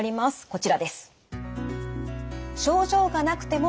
こちらです。